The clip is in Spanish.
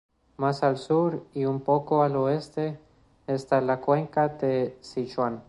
Más al sur y un poco al oeste está la cuenca de Sichuan.